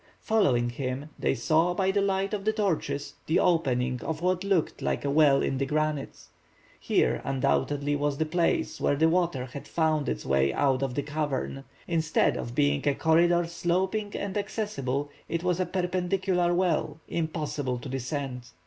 Following him, they saw by the light of the torches the opening of what looked like a well in the granite. Here, undoubtedly, was the place where the water had found its way out of the cavern, but this time, instead of being a corridor sloping and accessible, it was a perpendicular well, impossible to descend.